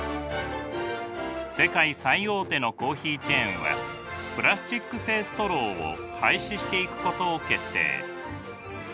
世界最大手のコーヒーチェーンはプラスチック製ストローを廃止していくことを決定。